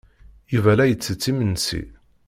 Yuba la ittett imensi.